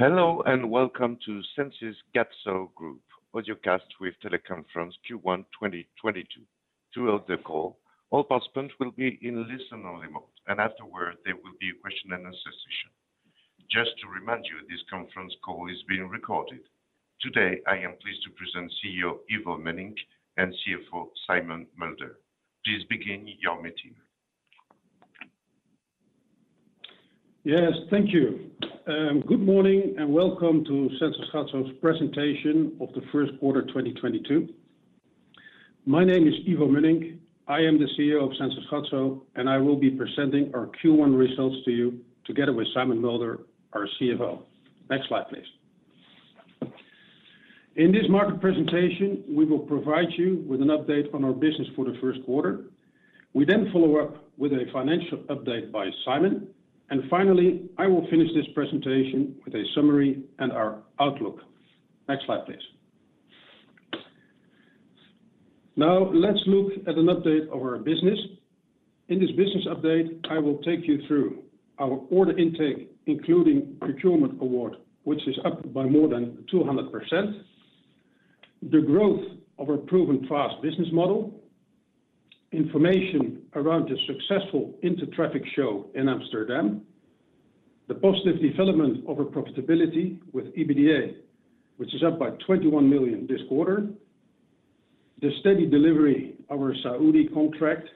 Hello, and welcome to Sensys Gatso Group audiocast with teleconference Q1 2022. Throughout the call, all participants will be in listen-only mode, and afterward, there will be a question and answer session. Just to remind you, this conference call is being recorded. Today, I am pleased to present CEO Ivo Mönnink and CFO Simon Mulder. Please begin your meeting. Yes, thank you. Good morning and welcome to Sensys Gatso's presentation of the first quarter 2022. My name is Ivo Mönnink. I am the CEO of Sensys Gatso, and I will be presenting our Q1 results to you together with Simon Mulder, our CFO. Next slide, please. In this market presentation, we will provide you with an update on our business for the first quarter. We then follow up with a financial update by Simon. Finally, I will finish this presentation with a summary and our outlook. Next slide, please. Now let's look at an update of our business. In this business update, I will take you through our order intake, including procurement award, which is up by more than 200%, the growth of our proven fast business model, information around the successful Intertraffic show in Amsterdam, the positive development of our profitability with EBITDA, which is up by 21 million this quarter, the steady delivery of our Saudi contract,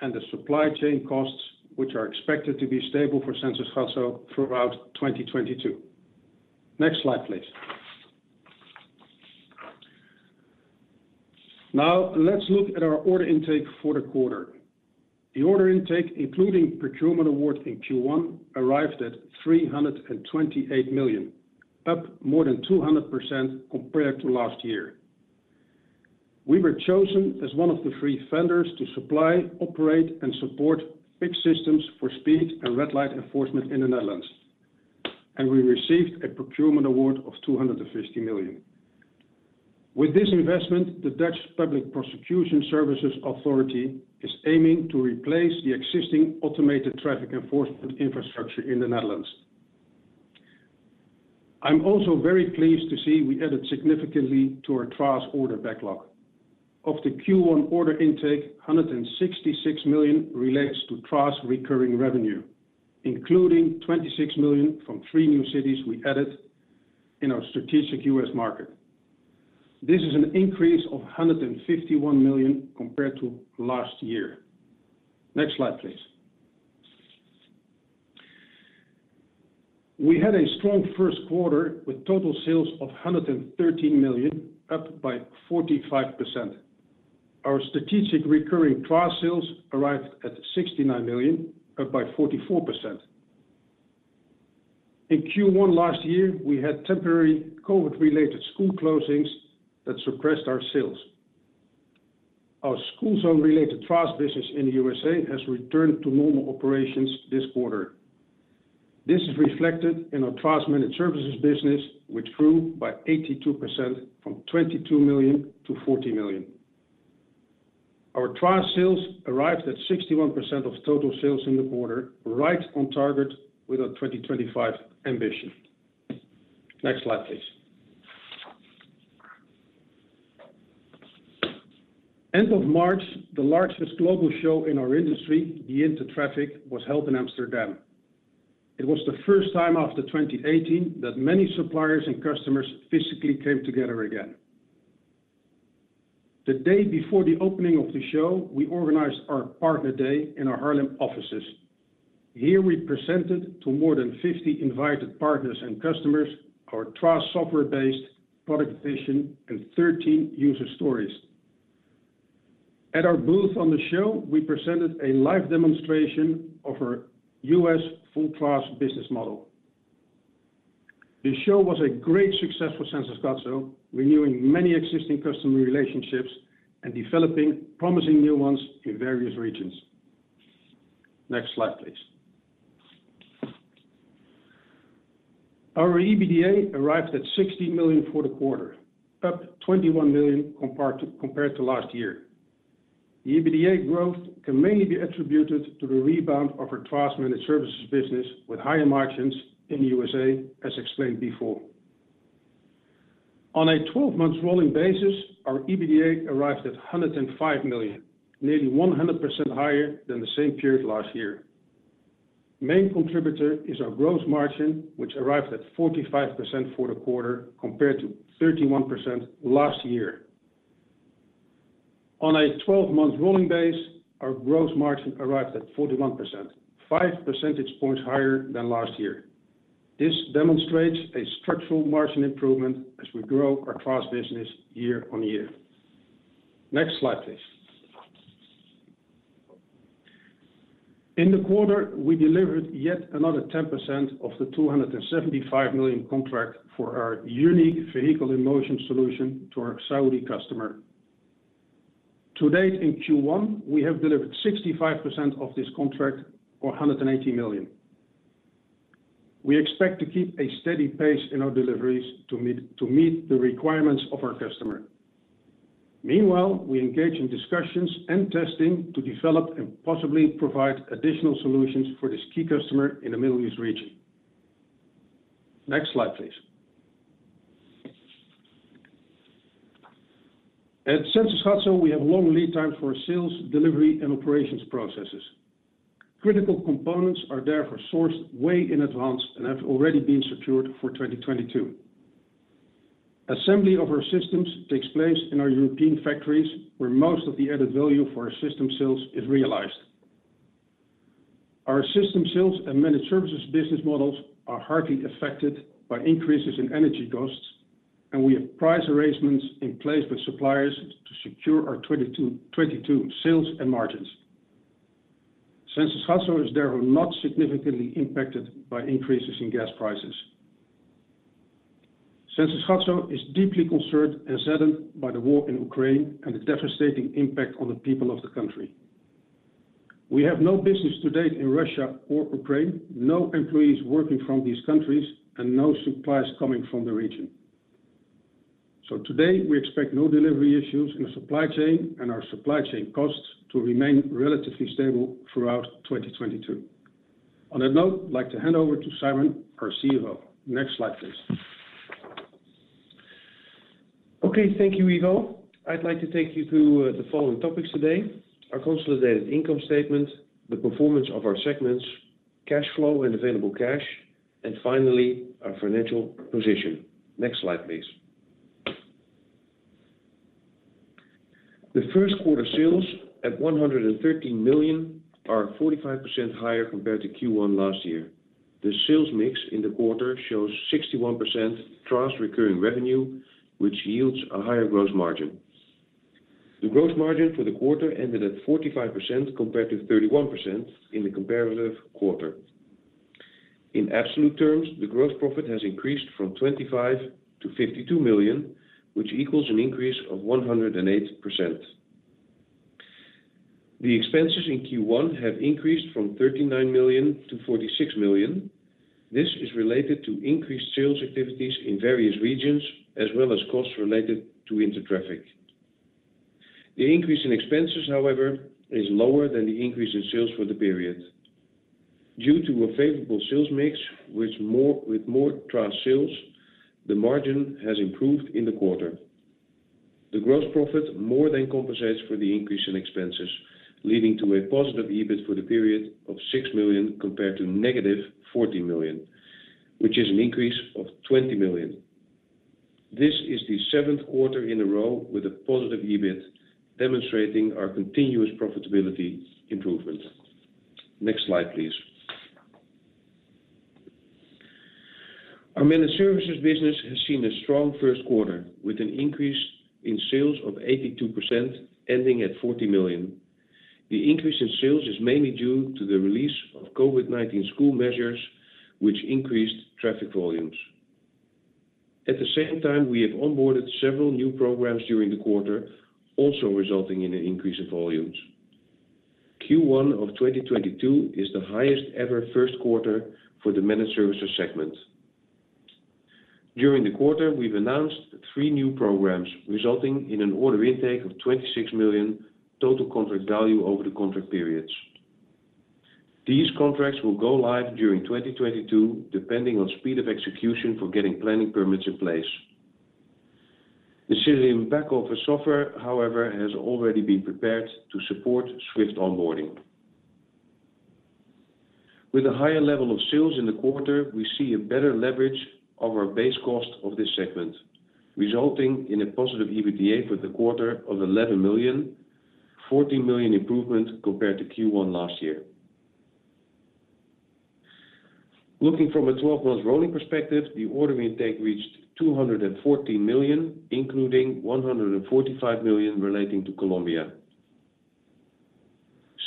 and the supply chain costs, which are expected to be stable for Sensys Gatso throughout 2022. Next slide, please. Now let's look at our order intake for the quarter. The order intake, including procurement award in Q1, arrived at 328 million, up more than 200% compared to last year. We were chosen as one of the three vendors to supply, operate, and support fixed systems for speed and red light enforcement in the Netherlands, and we received a procurement award of 250 million. With this investment, the Dutch Public Prosecution Services authority is aiming to replace the existing automated traffic enforcement infrastructure in the Netherlands. I'm also very pleased to see we added significantly to our TRAS order backlog. Of the Q1 order intake, 166 million relates to TRAS recurring revenue, including 26 million from three new cities we added in our strategic U.S. market. This is an increase of 151 million compared to last year. Next slide, please. We had a strong first quarter with total sales of 113 million, up by 45%. Our strategic recurring TRAS sales arrived at 69 million, up by 44%. In Q1 last year, we had temporary COVID-19-related school closings that suppressed our sales. Our school zone related TRAS business in the USA has returned to normal operations this quarter. This is reflected in our TRAS managed services business, which grew by 82% from 22 million to 40 million. Our TRAS sales arrived at 61% of total sales in the quarter, right on target with our 2025 ambition. Next slide, please. End of March, the largest global show in our industry, the Intertraffic, was held in Amsterdam. It was the first time after 2018 that many suppliers and customers physically came together again. The day before the opening of the show, we organized our partner day in our Haarlem offices. Here, we presented to more than 50 invited partners and customers our TRAS software-based product vision and 13 user stories. At our booth on the show, we presented a live demonstration of our U.S. full TRAS business model. The show was a great success for Sensys Gatso, renewing many existing customer relationships and developing promising new ones in various regions. Next slide, please. Our EBITDA arrived at 60 million for the quarter, up 21 million compared to last year. The EBITDA growth can mainly be attributed to the rebound of our TRAS managed services business with higher margins in the U.S.A., as explained before. On a 12-month rolling basis, our EBITDA arrived at 105 million, nearly 100% higher than the same period last year. Main contributor is our gross margin, which arrived at 45% for the quarter, compared to 31% last year. On a 12-month rolling basis, our gross margin arrives at 41%, five percentage points higher than last year. This demonstrates a structural margin improvement as we grow our TRAS business year-on-year. Next slide, please. In the quarter, we delivered yet another 10% of the 275 million contract for our unique Vehicle in Motion solution to our Saudi customer. To date, in Q1, we have delivered 65% of this contract, or 180 million. We expect to keep a steady pace in our deliveries to meet the requirements of our customer. Meanwhile, we engage in discussions and testing to develop and possibly provide additional solutions for this key customer in the Middle East region. Next slide, please. At Sensys Gatso, we have long lead time for sales, delivery and operations processes. Critical components are therefore sourced way in advance and have already been secured for 2022. Assembly of our systems takes place in our European factories, where most of the added value for our system sales is realized. Our system sales and managed services business models are hardly affected by increases in energy costs, and we have price arrangements in place with suppliers to secure our 2022 sales and margins. Sensys Gatso is therefore not significantly impacted by increases in gas prices. Sensys Gatso is deeply concerned and saddened by the war in Ukraine and the devastating impact on the people of the country. We have no business to date in Russia or Ukraine, no employees working from these countries and no suppliers coming from the region. Today, we expect no delivery issues in the supply chain and our supply chain costs to remain relatively stable throughout 2022. On that note, I'd like to hand over to Simon, our CFO. Next slide, please. Okay. Thank you, Ivo. I'd like to take you through the following topics today: our consolidated income statement, the performance of our segments, cash flow and available cash, and finally, our financial position. Next slide, please. The first quarter sales at 113 million are 45% higher compared to Q1 last year. The sales mix in the quarter shows 61% TRAS recurring revenue, which yields a higher gross margin. The gross margin for the quarter ended at 45% compared to 31% in the comparative quarter. In absolute terms, the gross profit has increased from 25 million-52 million, which equals an increase of 108%. The expenses in Q1 have increased from 39 million-46 million. This is related to increased sales activities in various regions, as well as costs related to Intertraffic. The increase in expenses, however, is lower than the increase in sales for the period. Due to a favorable sales mix with more TRAS sales, the margin has improved in the quarter. The gross profit more than compensates for the increase in expenses, leading to a positive EBIT for the period of 6 million compared to -40 million, which is an increase of 20 million. This is the seventh quarter in a row with a positive EBIT, demonstrating our continuous profitability improvement. Next slide, please. Our Managed Services business has seen a strong first quarter, with an increase in sales of 82% ending at 40 million. The increase in sales is mainly due to the release of COVID-19 school measures, which increased traffic volumes. At the same time, we have onboarded several new programs during the quarter, also resulting in an increase in volumes. Q1 of 2022 is the highest ever first quarter for the Managed Services segment. During the quarter, we've announced three new programs, resulting in an order intake of 26 million total contract value over the contract periods. These contracts will go live during 2022, depending on speed of execution for getting planning permits in place. The Xilium back-office software, however, has already been prepared to support swift onboarding. With a higher level of sales in the quarter, we see a better leverage of our base cost of this segment, resulting in a positive EBITDA for the quarter of 11 million, 14 million improvement compared to Q1 last year. Looking from a 12-month rolling perspective, the order intake reached 214 million, including 145 million relating to Colombia.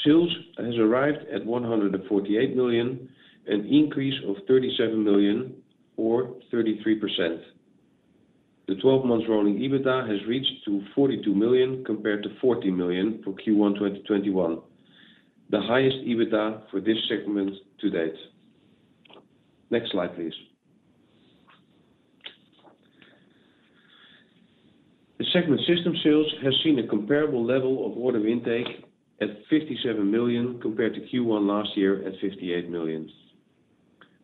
Sales has arrived at 148 million, an increase of 37 million or 33%. The 12-month rolling EBITDA has reached to 42 million compared to 40 million for Q1 2021, the highest EBITDA for this segment to date. Next slide, please. The segment System Sales has seen a comparable level of order intake at 57 million compared to Q1 last year at 58 million.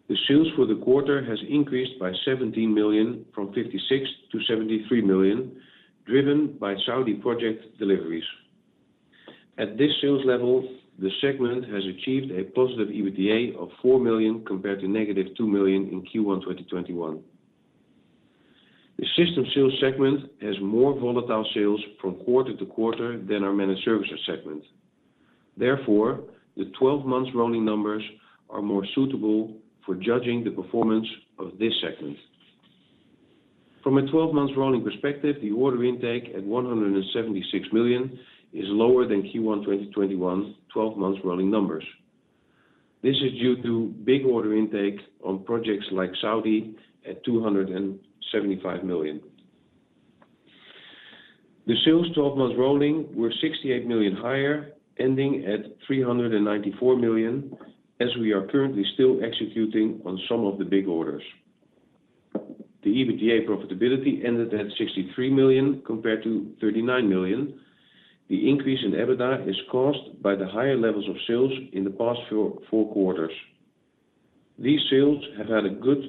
The sales for the quarter has increased by 17 million from 56 million to 73 million, driven by Saudi project deliveries. At this sales level, the segment has achieved a positive EBITDA of 4 million compared to -2 million in Q1 2021. The System Sales segment has more volatile sales from quarter to quarter than our Managed Services segment. Therefore, the 12-month rolling numbers are more suitable for judging the performance of this segment. From a 12-month rolling perspective, the order intake at 176 million is lower than Q1 2021 12-month rolling numbers. This is due to big order intake on projects like Saudi at 275 million. The sales 12-month rolling were 68 million higher, ending at 394 million, as we are currently still executing on some of the big orders. The EBITDA profitability ended at 63 million compared to 39 million. The increase in EBITDA is caused by the higher levels of sales in the past four quarters. These sales have had a good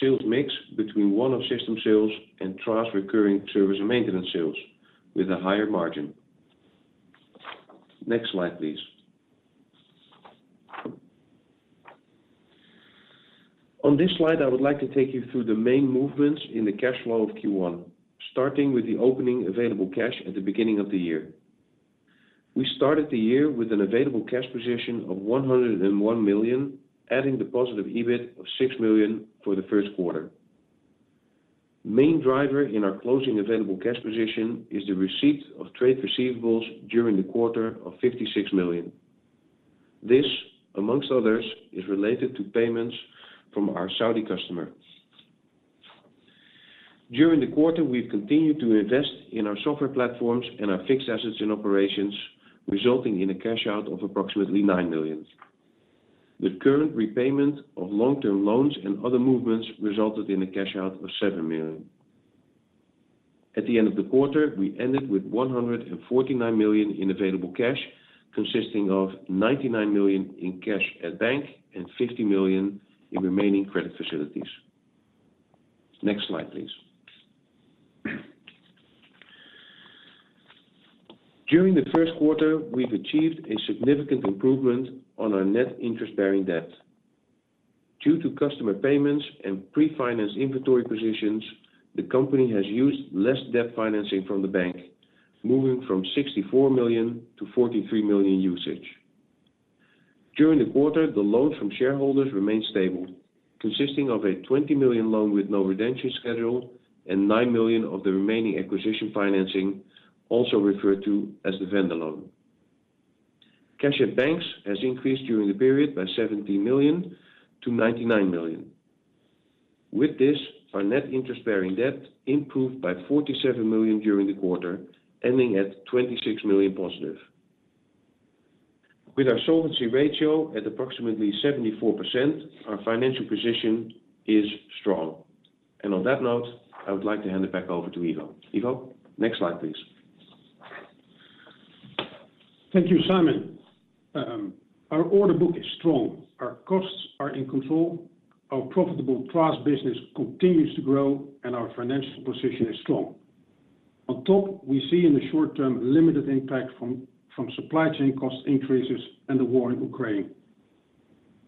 sales mix between one-off system sales and true recurring service and maintenance sales with a higher margin. Next slide, please. On this slide, I would like to take you through the main movements in the cash flow of Q1, starting with the opening available cash at the beginning of the year. We started the year with an available cash position of 101 million, adding the positive EBIT of 6 million for the first quarter. Main driver in our closing available cash position is the receipt of trade receivables during the quarter of 56 million. This, among others, is related to payments from our Saudi customer. During the quarter, we've continued to invest in our software platforms and our fixed assets and operations, resulting in a cash out of approximately 9 million. The current repayment of long-term loans and other movements resulted in a cash out of 7 million. At the end of the quarter, we ended with 149 million in available cash, consisting of 99 million in cash at bank and 50 million in remaining credit facilities. Next slide, please. During the first quarter, we've achieved a significant improvement on our net interest-bearing debt. Due to customer payments and pre-finance inventory positions, the company has used less debt financing from the bank, moving from 64 million to 43 million usage. During the quarter, the loan from shareholders remained stable, consisting of a 20 million loan with no redemption schedule and 9 million of the remaining acquisition financing, also referred to as the vendor loan. Cash at banks has increased during the period by 17 million to 99 million. With this, our net interest-bearing debt improved by 47 million during the quarter, ending at 26 million positive. With our solvency ratio at approximately 74%, our financial position is strong. On that note, I would like to hand it back over to Ivo. Ivo, next slide, please. Thank you, Simon. Our order book is strong, our costs are in control, our profitable trust business continues to grow, and our financial position is strong. On top, we see in the short term limited impact from supply chain cost increases and the war in Ukraine.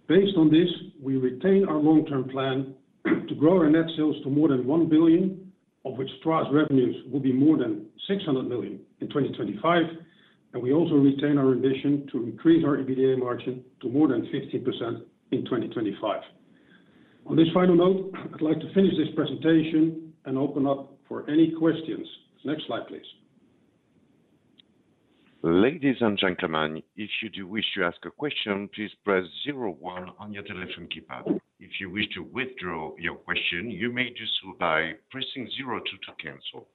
Based on this, we retain our long-term plan to grow our net sales to more than 1 billion, of which TRAS revenues will be more than 600 million in 2025, and we also retain our ambition to increase our EBITDA margin to more than 50% in 2025. On this final note, I'd like to finish this presentation and open up for any questions. Next slide, please. Ladies and gentlemen, if you do wish to ask a question, please press zero one on your telephone keypad. If you wish to withdraw your question, you may do so by pressing zero two to cancel.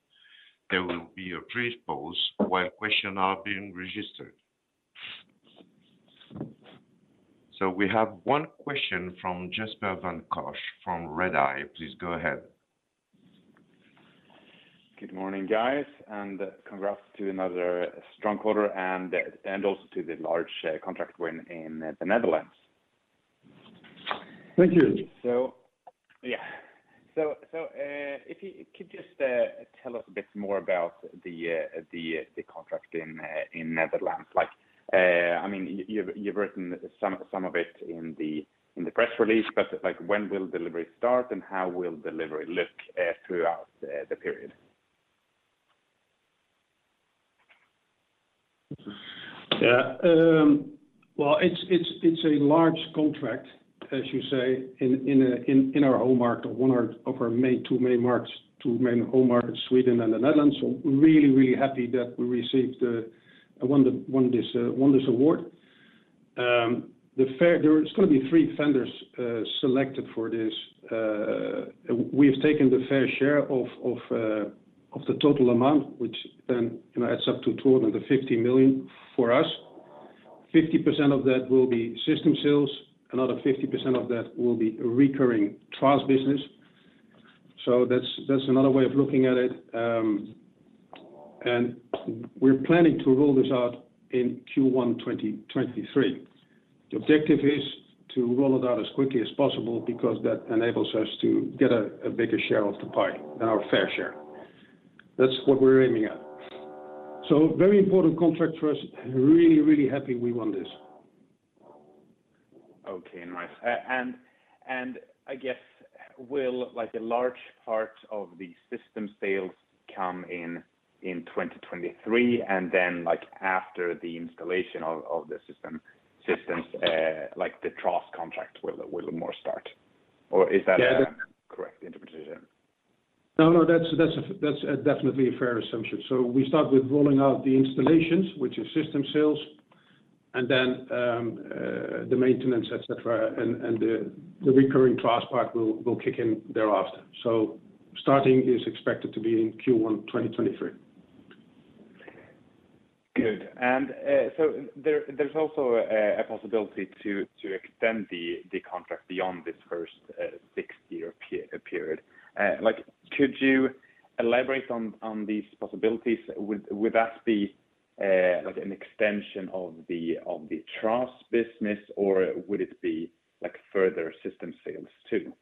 There will be a brief pause while questions are being registered. We have one question from Jesper von Koch from Redeye. Please go ahead. Good morning, guys, and congrats to another strong quarter and also to the large contract win in the Netherlands. Thank you. If you could just tell us a bit more about the contract in Netherlands. Like, I mean, you've written some of it in the press release, but like, when will delivery start, and how will delivery look throughout the period? Yeah. Well, it's a large contract, as you say, in our home market, one of our two main markets, Sweden and the Netherlands. We're really happy that we won this award. There is gonna be three vendors selected for this. We've taken the fair share of the total amount, which then, you know, adds up to 250 million for us. 50% of that will be System Sales. Another 50% of that will be recurring Managed Services. That's another way of looking at it. We're planning to roll this out in Q1 2023. The objective is to roll it out as quickly as possible because that enables us to get a bigger share of the pie than our fair share. That's what we're aiming at. Very important contract for us. Really, really happy we won this. Okay, nice. I guess will like a large part of the System Sales come in in 2023 and then, like, after the installation of the systems, like the TRAS contract will more start? Or is that- Yeah. Correct interpretation? No, that's definitely a fair assumption. We start with rolling out the installations, which is System Sales, and then the maintenance, et cetera, and the recurring revenue part will kick in thereafter. Starting is expected to be in Q1 2023. Good. There's also a possibility to extend the contract beyond this first six-year period. Like, could you elaborate on these possibilities? Would that be like an extension of the TRAS business, or would it be like further System Sales too?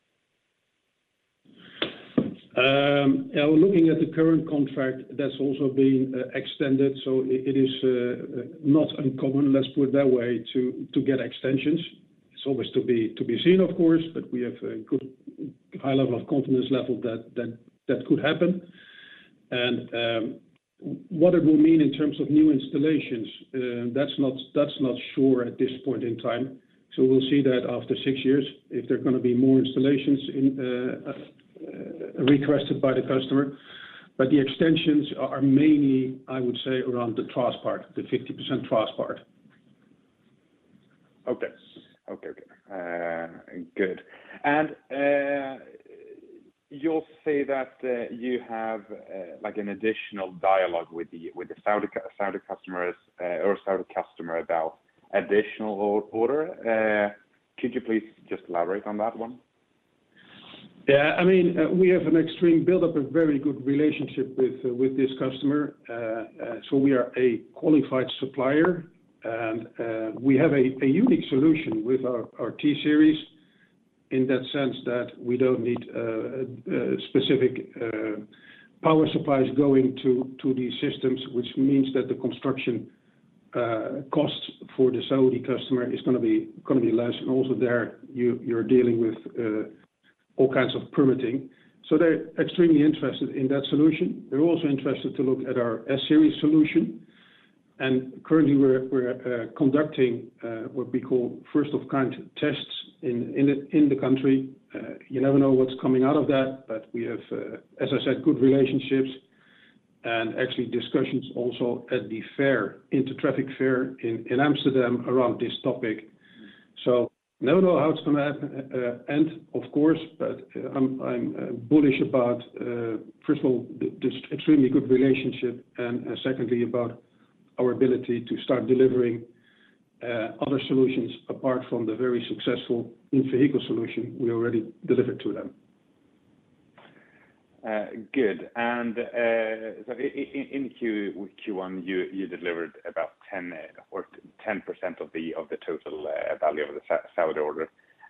Yeah, we're looking at the current contract that's also being extended, so it is not uncommon, let's put it that way, to get extensions. It's always to be seen, of course, but we have a good high level of confidence level that could happen. What it will mean in terms of new installations, that's not sure at this point in time. We'll see that after six years, if there are gonna be more installations requested by the customer. The extensions are mainly, I would say, around the trust part, the 50% trust part. Okay. Good. You'll say that you have like an additional dialogue with the Saudi customers or Saudi customer about additional order. Could you please just elaborate on that one? Yeah. I mean, we have an extreme build-up of very good relationship with this customer. We are a qualified supplier, and we have a unique solution with our T-series in that sense that we don't need specific power supplies going to these systems, which means that the construction costs for the Saudi customer is gonna be less. Also there, you're dealing with all kinds of permitting. They're extremely interested in that solution. They're also interested to look at our S-series solution. Currently, we're conducting what we call first-of-kind tests in the country. You never know what's coming out of that, but we have, as I said, good relationships and actually discussions also at the fair, Intertraffic, in Amsterdam around this topic. Never know how it's gonna happen, and, of course, but I'm bullish about first of all, this extremely good relationship, and secondly, about our ability to start delivering other solutions apart from the very successful in-vehicle solution we already delivered to them. Good. In Q1, you delivered about 10% of the total value of the Saudi order.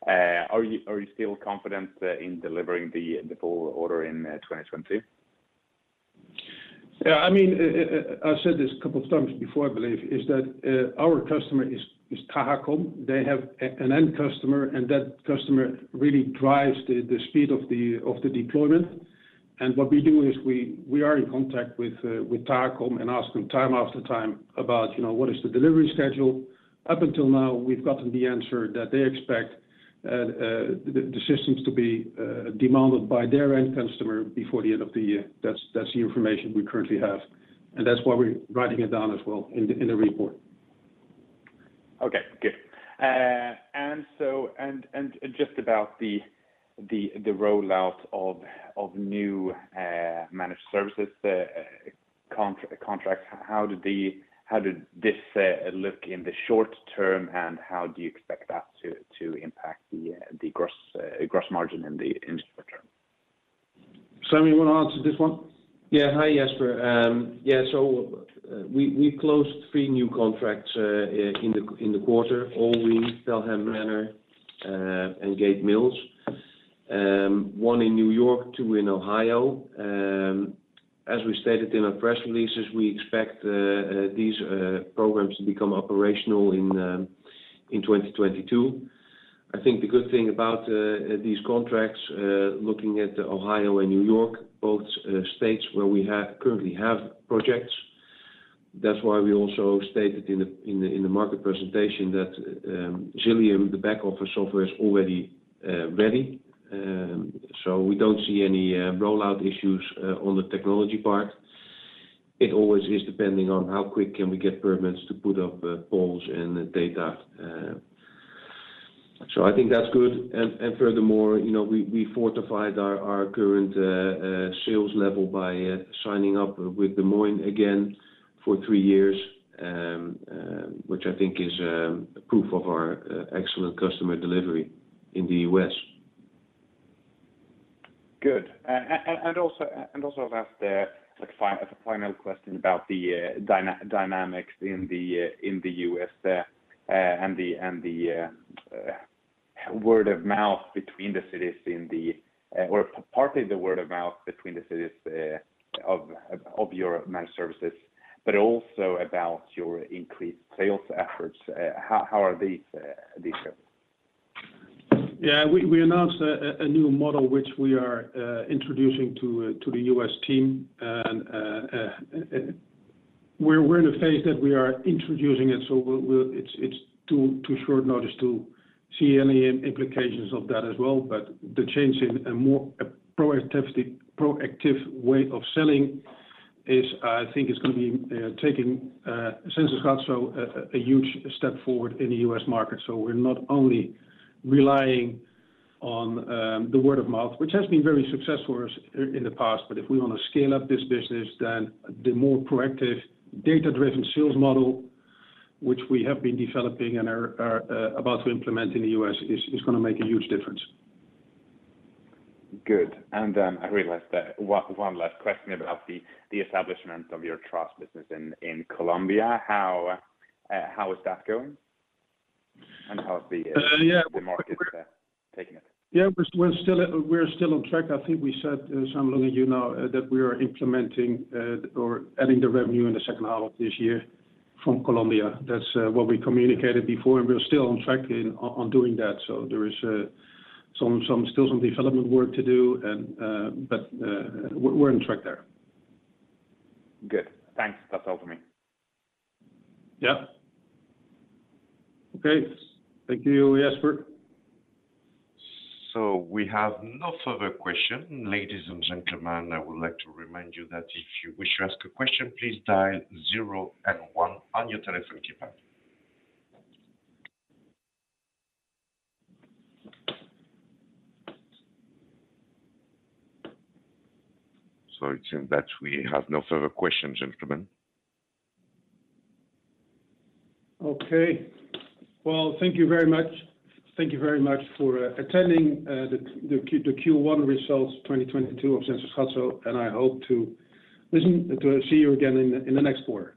Are you still confident in delivering the full order in 2020? I mean, I said this a couple of times before, I believe, is that our customer is Tahakom. They have an end customer, and that customer really drives the speed of the deployment. What we do is we are in contact with Tahakom and ask them time after time about, you know, what is the delivery schedule. Up until now, we've gotten the answer that they expect the systems to be demanded by their end customer before the end of the year. That's the information we currently have, and that's why we're writing it down as well in the report. Okay, good. Just about the rollout of new managed services, the contract, how did this look in the short term, and how do you expect that to impact the gross margin in the short term? Sami, you wanna answer this one? Yeah. Hi, Jesper. Yeah, so we closed three new contracts in the quarter. All of them enter engageable miles. One in New York, two in Ohio. As we stated in our press releases, we expect these programs to become operational in 2022. I think the good thing about these contracts looking at Ohio and New York, both states where we currently have projects. That's why we also stated in the market presentation that Xilium, the back-office software is already ready. We don't see any rollout issues on the technology part. It always is depending on how quick can we get permits to put up poles and data. I think that's good. Furthermore, you know, we fortified our current sales level by signing up with Des Moines again for three years, which I think is a proof of our excellent customer delivery in the U.S. Good. I'll ask, like, as a final question about the dynamics in the US and the word of mouth between the cities, or partly the word of mouth between the cities of your managed services, but also about your increased sales efforts. How are these going? Yeah. We announced a new model which we are introducing to the U.S. team. We're in a phase that we are introducing it, so it's too short notice to see any implications of that as well. The change to a more proactive way of selling is, I think, gonna be a huge step forward in the U.S. market. We're not only relying on the word of mouth, which has been very successful for us in the past. If we want to scale up this business, then the more proactive data-driven sales model, which we have been developing and are about to implement in the U.S., is gonna make a huge difference. Good. I realized that one last question about the establishment of your trust business in Colombia. How is that going? Yeah.... the market, taking it? Yeah. We're still on track. I think we said, Sami, looking at you now, that we are implementing or adding the revenue in the second half of this year from Colombia. That's what we communicated before, and we're still on track in on doing that. There is some development work to do and but we're on track there. Good. Thanks. That's all for me. Yeah. Okay. Thank you, Jesper. We have no further question. Ladies and gentlemen, I would like to remind you that if you wish to ask a question, please dial zero and one on your telephone keypad. It seems that we have no further questions, gentlemen. Okay. Well, thank you very much. Thank you very much for attending the Q1 results 2022 of Sensys Gatso, and I hope to see you again in the next quarter.